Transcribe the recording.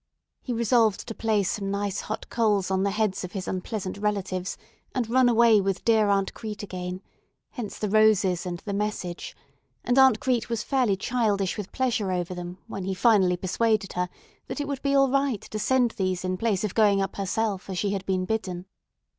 He resolved to place some nice hot coals on the heads of his unpleasant relatives, and run away with dear Aunt Crete again; hence the roses and the message, and Aunt Crete was fairly childish with pleasure over them when he finally persuaded her that it would be all right to send these in place of going up herself as she had been bidden.